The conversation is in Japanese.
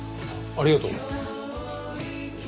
ありがとう。